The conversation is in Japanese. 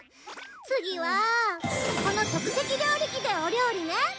次はこのそくせき料理機でお料理ね。